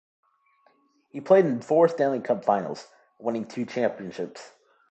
He played in four Stanley Cup finals, winning two championships.